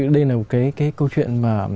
đây là một cái câu chuyện mà